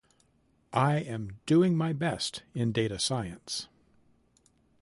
I am doing my best in data science.